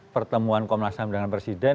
pertemuan komnas ham dengan presiden